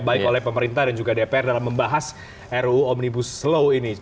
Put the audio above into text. baik oleh pemerintah dan juga dpr dalam membahas ruu omnibus law ini